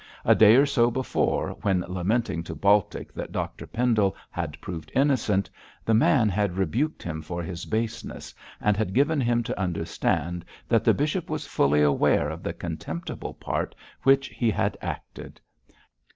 A day or so before, when lamenting to Baltic that Dr Pendle had proved innocent, the man had rebuked him for his baseness, and had given him to understand that the bishop was fully aware of the contemptible part which he had acted.